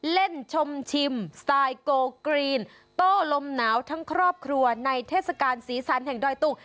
เล่นชมชิมสไตล์โกกรีนโต้ลมหนาวทั้งครอบครัวในเทศกาลสีสันแห่งดอยตุ้ง